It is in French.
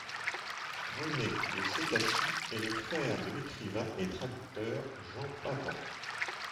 René de Ceccatty est le frère de l'écrivain et traducteur Jean Pavans.